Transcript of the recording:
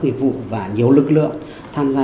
nghiệp vụ và nhiều lực lượng tham gia